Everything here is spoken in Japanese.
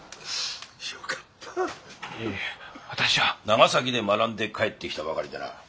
長崎で学んで帰ってきたばかりでな